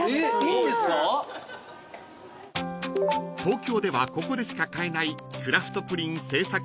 ［東京ではここでしか買えない］